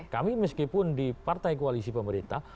kami meskipun di partai koalisi pemerintah